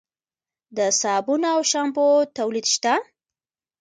د صابون او شامپو تولید شته؟